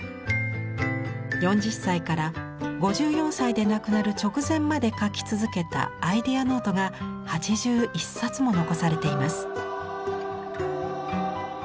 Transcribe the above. ４０歳から５４歳で亡くなる直前まで描き続けたアイデアノートが８１冊も残されています。